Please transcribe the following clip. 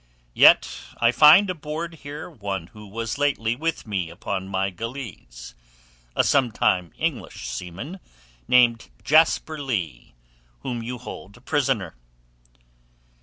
Yet I find aboard here one who was lately with me upon my galeasse—a sometime English seaman, named Jasper Leigh, whom you hold a prisoner."